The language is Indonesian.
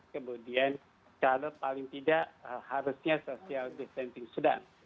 kemudian kalau paling tidak harusnya social distancing sedang